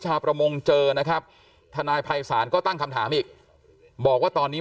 ประมงเจอนะครับทนายภัยศาลก็ตั้งคำถามอีกบอกว่าตอนนี้